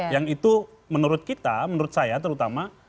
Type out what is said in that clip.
yang itu menurut kita menurut saya terutama